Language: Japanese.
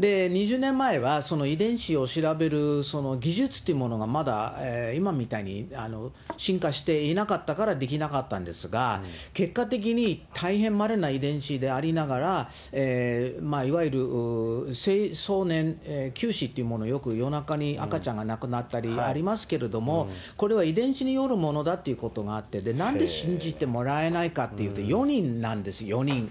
２０年前はその遺伝子を調べる技術というものがまだ今みたいに進化していなかったからできなかったんですが、結果的に大変まれな遺伝子でありながら、いわゆる青少年急死というものが、よく夜中に赤ちゃんが亡くなったりありますけれども、これは遺伝子によるものだということがあって、なんで信じてもらえないかというと、４人なんです、４人。